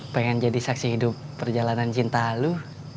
pengen jadi saksi hidup perjalanan cinta lu